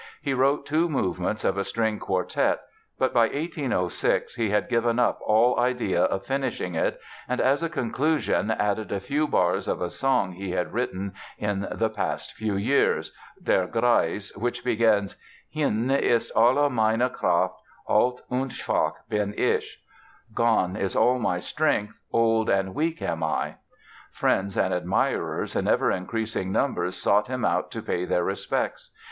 He wrote two movements of a string quartet, but by 1806, he had given up all idea of finishing it and, as a conclusion, added a few bars of a song he had written in the past few years, "Der Greis", which begins "Hin ist alle meine Kraft, alt und schwach bin ich" ("Gone is all my strength, old and weak am I"). Friends and admirers in ever increasing numbers sought him out to pay their respects.